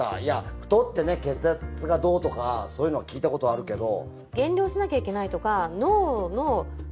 太って、血圧がどうとかそういうのは聞いたことあるけど。